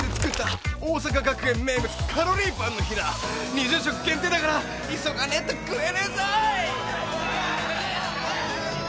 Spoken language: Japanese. ２０食限定だから急がねえと食えねえぞ！